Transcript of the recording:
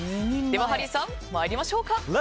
では、ハリーさん参りましょうか。